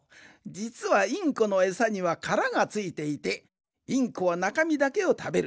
じつはインコのえさにはカラがついていてインコはなかみだけをたべる。